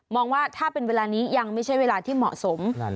ว่าถ้าเป็นเวลานี้ยังไม่ใช่เวลาที่เหมาะสม